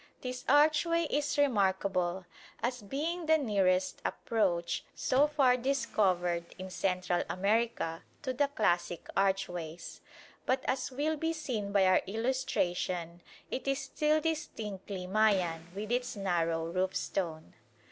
This archway is remarkable as being the nearest approach so far discovered in Central America to the classic archways; but as will be seen by our illustration it is still distinctly Mayan with its narrow roofstone.